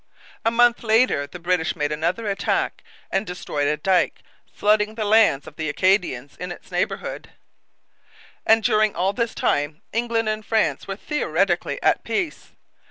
A month later the British made another attack and destroyed a dike, flooding the lands of the Acadians in its neighbourhood. And during all this time England and France were theoretically at peace.